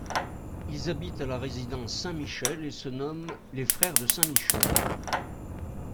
Ils habitent à la résidence Saint-Michel et se nomment les frères de Saint-Michel.